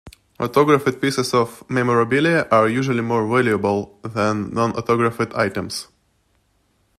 Autographed pieces of memorabilia are usually more valuable that non-autographed items.